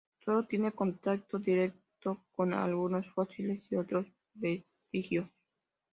Sólo tiene contacto directo con algunos fósiles y otros vestigios.